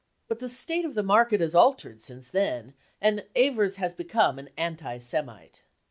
But the state of the market has altered since then, and Ewers has become an anti Semite.